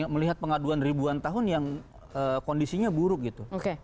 melihat pengaduan ribuan tahun yang kondisinya buruk gitu